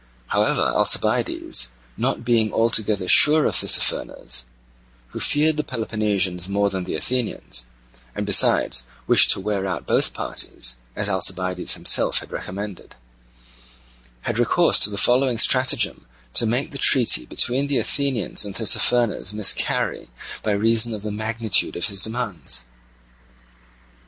However, Alcibiades, not being altogether sure of Tissaphernes (who feared the Peloponnesians more than the Athenians, and besides wished to wear out both parties, as Alcibiades himself had recommended), had recourse to the following stratagem to make the treaty between the Athenians and Tissaphernes miscarry by reason of the magnitude of his demands.